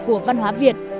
của văn hóa việt